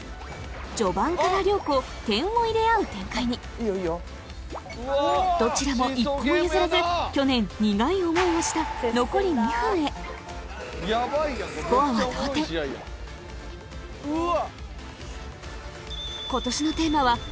序盤から両校点を入れ合う展開にどちらも一歩も譲らず去年苦い思いをしたスコアは同点うわ！